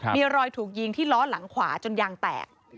มีรอยถูกยิงที่ล้อหลังขวาจนยางแตก